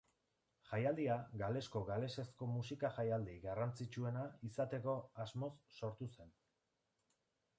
Jaialdia Galesko galesezko musika jaialdi garrantzitsuena izateko asmoz sortu zen.